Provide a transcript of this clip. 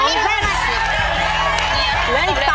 เอาละ